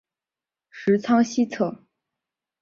十仓西侧。